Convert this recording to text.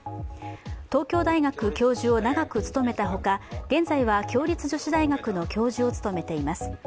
東京大学教授を長く務めたほか現在は共立女子大学の教授を務めています。